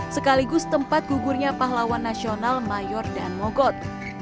sekaligus tempat gugurnya pahlawan nasional mayor dan mogot